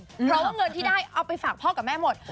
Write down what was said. เพราะว่าเงินที่ได้เอาไปฝากพ่อกับแม่หมด